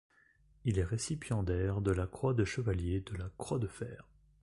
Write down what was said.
Il est récipiendaire de la croix de chevalier de la croix de fer.